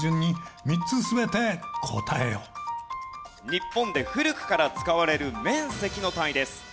日本で古くから使われる面積の単位です。